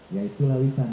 ya itulah witan